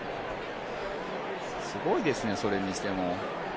すごいですね、それにしても。